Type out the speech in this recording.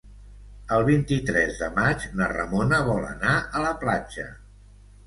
El vint-i-tres de maig na Ramona vol anar a la platja.